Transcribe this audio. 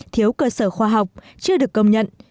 thiếu cơ sở khoa học chưa được công nhận